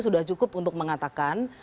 sudah cukup untuk mengatakan